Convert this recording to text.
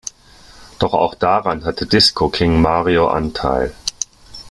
Doch auch daran hatte Disco King Mario Anteil.